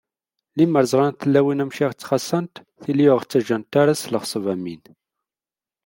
Lemmer ẓrant tlawin amek i ɣ-ttxaṣṣant, tili ur ɣ-ttaǧǧant ara s leɣṣeb am win.